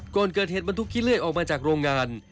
ก่อนเกิดเหตุบรรทุกขี้เลื่อยออกมาจากโรงงาน